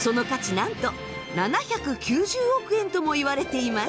なんと７９０億円ともいわれています。